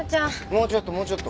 もうちょっともうちょっと。